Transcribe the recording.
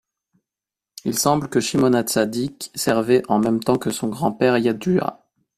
Il semble que Shimon HaTzadik servait en même temps que son grand-père Yaddua.